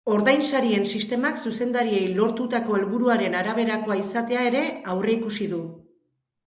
Ordainsarien sistemak zuzendariei lortutako helburuaren araberakoa izatea ere aurreikusi du.